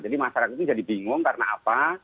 jadi masyarakat itu jadi bingung karena apa